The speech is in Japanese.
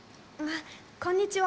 こんにちは。